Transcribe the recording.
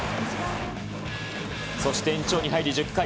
そして延長に入り、１０回。